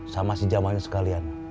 sama si jamalnya sekalian